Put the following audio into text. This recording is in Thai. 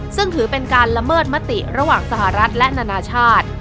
ซึ่งถือเป็นการละเมิดมติระหว่างสหรัฐและนานาชาติ